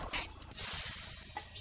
siapa yang gak tau diri